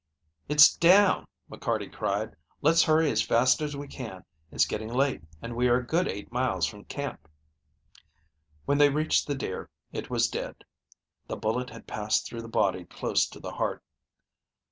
"It's down," McCarty cried. "Let's hurry as fast as we can. It's getting late, and we are a good eight miles from camp." When they reached the deer it was dead. The bullet had passed through the body close to the heart.